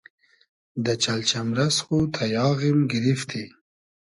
دۂ چئلجئمرئس خو تئیاغیم گیریفتی